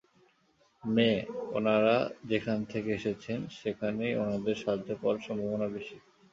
মে, ওনারা যেখান থেকে এসেছেন, সেখানেই ওনাদের সাহায্য পাওয়ার সম্ভাবনা বেশি।